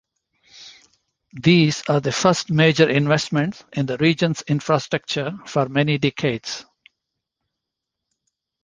These are the first major investments in the region's infrastructure for many decades.